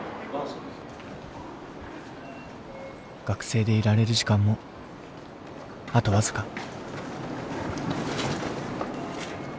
学生でいられる時間もあと僅か。